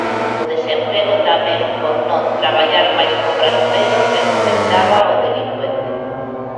O desemprego tamén por non "traballar máis cobrando menos", recomendaba o delincuente.